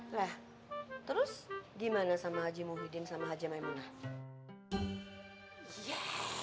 wah terus gimana sama haji muhyiddin sama haji maimunah